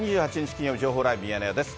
金曜日、情報ライブミヤネ屋です。